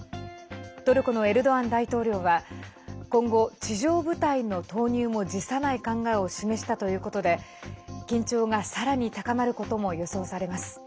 トルコのエルドアン大統領は今後地上部隊の投入も辞さない考えを示したということで、緊張がさらに高まることも予想されます。